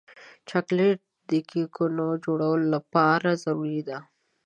چاکلېټ د کیکونو جوړولو لپاره ضروري دی.